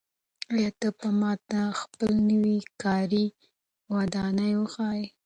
آیا ته به ماته خپله نوې کاري ودانۍ وښایې؟